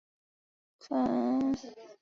转任吴令。